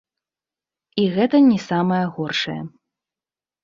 І гэта не самае горшае.